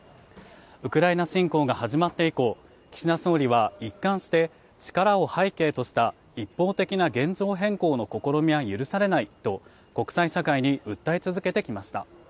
ウクライナ侵攻が始まって以降、岸田総理は一貫して力を背景とした一方的な現状変更の試みは許されないと国際社会に訴え続けてきました。